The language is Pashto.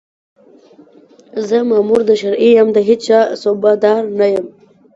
زه مامور د شرعي یم، د هېچا صوبه دار نه یم